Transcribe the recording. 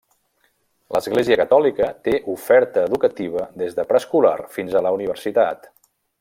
L'Església Catòlica té oferta educativa des de preescolar fins a la universitat.